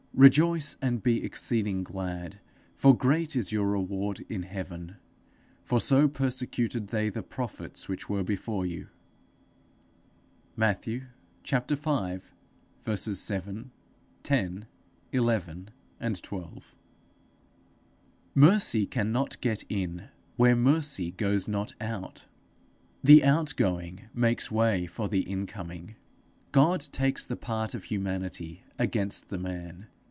Rejoice and be exceeding glad, for great is your reward in heaven; for so persecuted they the prophets which were before you.' Matthew, v. 7, 10 11, 12. Mercy cannot get in where mercy goes not out. The outgoing makes way for the incoming. God takes the part of humanity against the man.